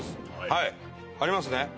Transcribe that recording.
はいありますね。